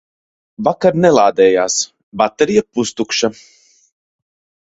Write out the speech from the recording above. Vakar nelādējās, baterija pustukša.